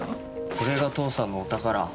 これが父さんのお宝。